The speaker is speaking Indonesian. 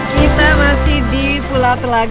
kita masih di pulau telaga